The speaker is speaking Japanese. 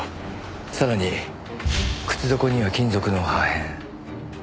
さらに靴底には金属の破片。